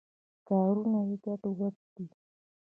کارونه یې ګډوډ دي.